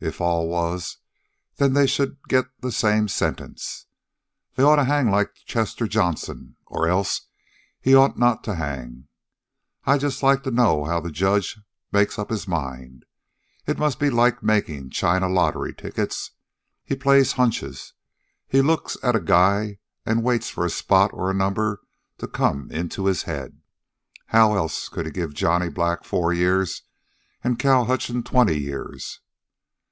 If all was, then they should get the same sentence. They oughta hang like Chester Johnson, or else he oughtn't to hang. I'd just like to know how the judge makes up his mind. It must be like markin' China lottery tickets. He plays hunches. He looks at a guy an' waits for a spot or a number to come into his head. How else could he give Johnny Black four years an' Cal Hutchins twenty years?